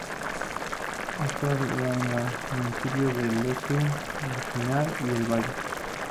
Está en los municipios de Lecrín, El Pinar y El Valle.